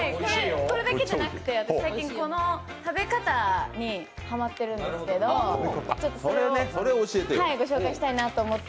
これだけじゃなくて、最近この食べ方にハマってるんですけど、ご紹介したいなと思って。